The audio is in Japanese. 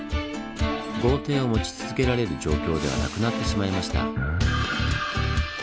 豪邸を持ち続けられる状況ではなくなってしまいました。